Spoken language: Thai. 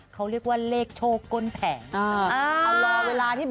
เขาเรียกว่าเลขโชคก้นแผง